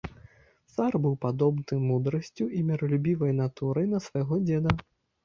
Цар быў падобны мудрасцю і міралюбівай натурай на свайго дзеда.